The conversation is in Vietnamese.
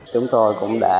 chúng tôi cũng đã